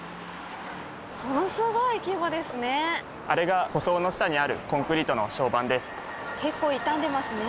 あれが舗装の下にあるコンクリートの床版です。